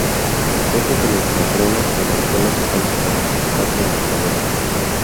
El jefe de los ladrones levantó la espada para cortarle la cabeza.